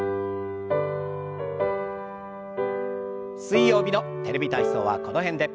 水曜日の「テレビ体操」はこの辺で。